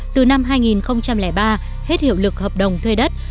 từ năm hai nghìn ba hết hiệu lực hợp đồng thuê đất